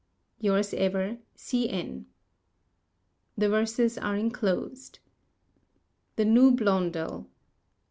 —Yours ever, C. N. The verses are enclosed. THE NEW BLONDEL.